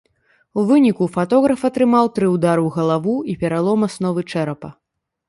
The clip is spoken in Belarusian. У выніку фатограф атрымаў тры ўдары ў галаву і пералом асновы чэрапа.